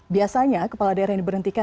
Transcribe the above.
biasanya kepala daerah yang diberhentikan